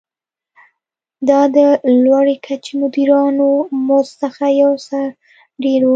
دا د لوړې کچې مدیرانو مزد څخه یو څه ډېر و.